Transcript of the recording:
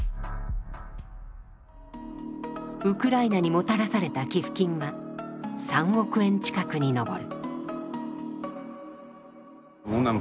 ウクライナにもたらされた寄付金は３億円近くに上る。